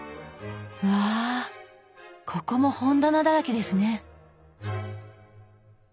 うわぁここも本棚だらけですね！